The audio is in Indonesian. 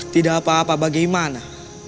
tidak apa apa bagaimana